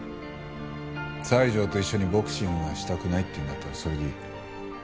西条と一緒にボクシングはしたくないっていうんだったらそれでいい。